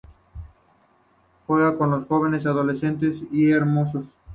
Le gustan los jóvenes adolescentes y hermosos.